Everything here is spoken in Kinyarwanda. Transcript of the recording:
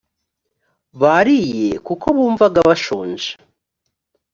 bariye kuko bumvaga bashonje